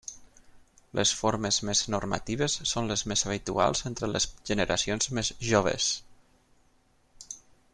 Les formes més normatives són les més habituals entre les generacions més joves.